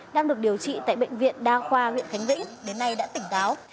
đang được điều trị tại bệnh viện đa khoa huyện khánh vĩnh đến nay đã tỉnh táo